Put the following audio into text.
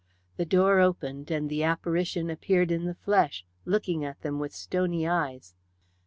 The door opened, and the apparition appeared in the flesh, looking at them with stony eyes.